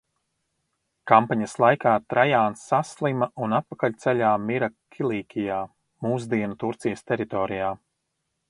Kampaņas laikā Trajāns saslima un atpakaļceļā mira Kilīkijā, mūsdienu Turcijas teritorijā.